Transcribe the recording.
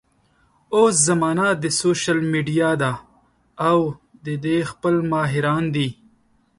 اوس زمانه د سوشل ميډيا ده او د دې خپل ماهران دي